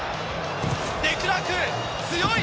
デクラーク強い！